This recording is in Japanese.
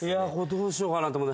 どうしようかなと思って。